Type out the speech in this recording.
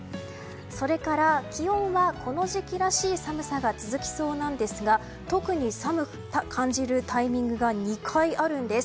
それから気温は、この時期らしい寒さが続きそうですが特に寒く感じるタイミングが２回あるんです。